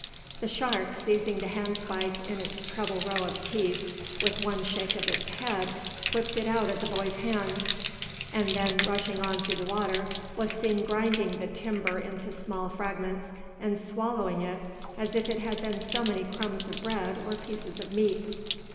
The shark, seizing the handspike in its treble row of teeth, with one shake of its head whipped it out of the boy's hands: and then rushing on through the water, was seen grinding the timber into small fragments, and swallowing it as if it had been so many crumbs of bread or pieces of meat.